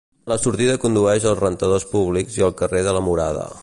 La sortida condueix als rentadors públics i al carrer de la Murada.